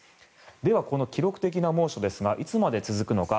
では、この記録的な猛暑ですがいつまで続くのか。